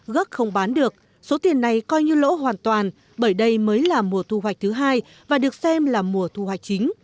gốc không bán được số tiền này coi như lỗ hoàn toàn bởi đây mới là mùa thu hoạch thứ hai và được xem là mùa thu hoạch chính